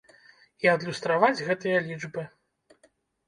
І адлюстраваць гэтыя лічбы.